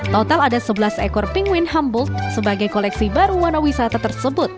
total ada sebelas ekor pingwin humboldt sebagai koleksi baru wanawisata tersebut